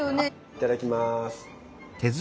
いただきます。